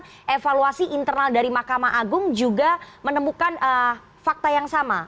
dan evaluasi internal dari mahkamah agung juga menemukan fakta yang sama